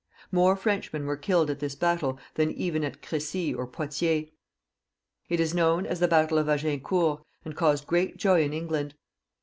More Frenchmen were kUled at this battle than even at Cressy or Poitiers. It is known as the battle of Agin court, and caused great joy in England.